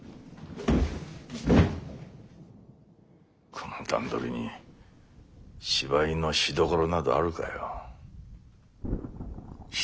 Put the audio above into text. この段取りに芝居のしどころなどあるかよ。